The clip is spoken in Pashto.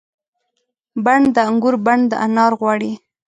بڼ د انګور بڼ د انار غواړي